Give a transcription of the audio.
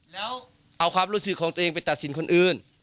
แล้วเอาความรู้สึกของตัวเองไปตัดสินคนอื่น